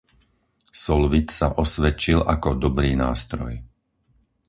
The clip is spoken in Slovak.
Solvit sa osvedčil ako dobrý nástroj.